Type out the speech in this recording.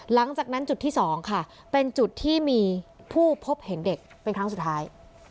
หลังจากนั้นจุดที่๒ค่ะเป็นจุดที่มีผู้พบเห็นเด็กเป็นครั้งสุดท้าย